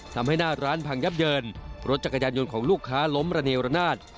ทำให้หน้าร้านพังยับเยินรถจักรยานยนต์ของลูกค้าล้มระเนวระนาด